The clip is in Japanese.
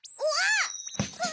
うわ！